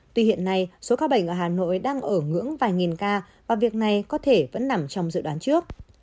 tuy hiện nay số ca bệnh ở hà nội đang ở ngưỡng vài nghìn ca và việc này có thể vẫn nằm trong dự đoán trước